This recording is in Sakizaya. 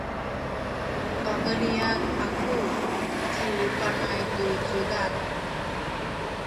pabelian aku ci Panay tu cudad.